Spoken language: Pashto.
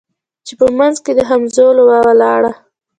چي په منځ کي د همزولو وه ولاړه